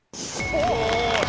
お！